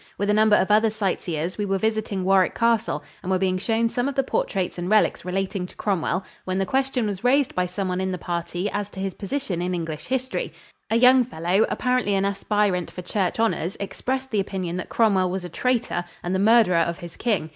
With a number of other sightseers, we were visiting Warwick Castle and were being shown some of the portraits and relics relating to Cromwell, when the question was raised by someone in the party as to his position in English history. A young fellow, apparently an aspirant for church honors, expressed the opinion that Cromwell was a traitor and the murderer of his king.